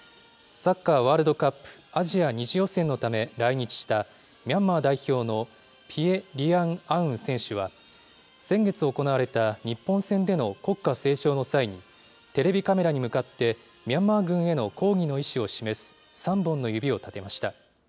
サッカーワールドカップアジア２次予選のため来日した、ミャンマー代表のピエ・リアン・アウン選手は、先月行われた日本戦での国歌斉唱の際に、テレビカメラに向かって、ミャンマー軍への抗議の意思を示す、３本の指を立てました。